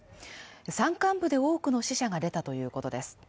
山間部で多くの死者が出たということです。